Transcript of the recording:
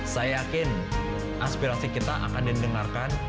saya yakin aspirasi kita akan didengarkan